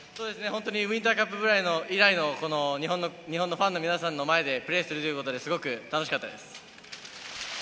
ウインターカップ以来の日本のファンの皆さんの前でプレーするということで、すごく楽しかったです。